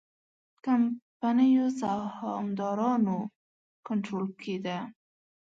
کمپنیو سهامدارانو کنټرول کې ده.